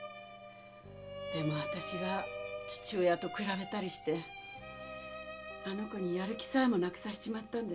でもあたしが父親と比べたりしてあの子にやる気さえもなくさせちまったんですよ。